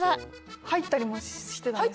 入ったりもしてたんですか？